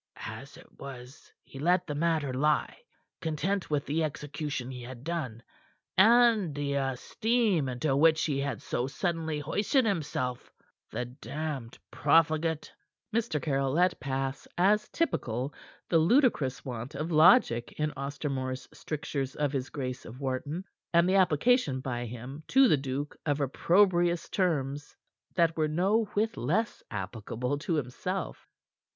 As it was, he let the matter lie, content with the execution he had done, and the esteem into which he had so suddenly hoisted himself the damned profligate!" Mr. Caryll let pass, as typical, the ludicrous want of logic in Ostermore's strictures of his Grace of Wharton, and the application by him to the duke of opprobrious terms that were no whit less applicable to himself.